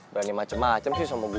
berani macem macem sih sama gue